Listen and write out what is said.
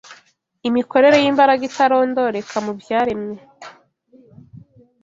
imikorere y’imbaraga itarondoreka mu byaremwe